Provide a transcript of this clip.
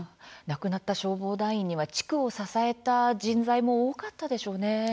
亡くなった消防団員には地区を支えた人材も多かったでしょうね。